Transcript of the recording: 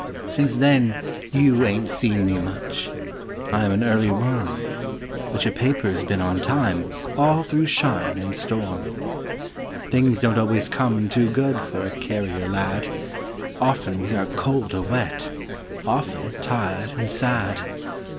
Since then you ain't seen me much ; I'm an early worm. But your paper's been on time All through shine and storm. Things don't always come too good For a carrier lad. Often we are cold or wet, Often tired and sad.